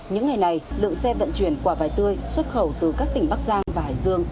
những ngày này lượng xe vận chuyển quả vải tươi xuất khẩu từ các tỉnh bắc giang và hải dương